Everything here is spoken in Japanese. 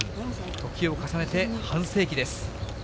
時を重ねて半世紀です。